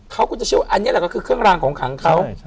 เขาก็จะเชื่อว่าอันนี้แหละก็คือเครื่องรางของขังเขา